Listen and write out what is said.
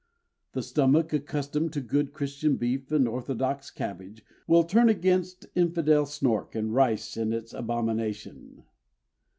The stomach, accustomed to good Christian beef and orthodox cabbage, Will turn against infidel snork, and rice is its abomination.